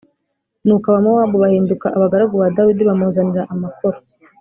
Nuko Abamowabu bahinduka abagaragu ba Dawidi, bamuzanira amakoro.